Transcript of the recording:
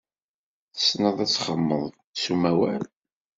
Tessned ad txedmed s umawal?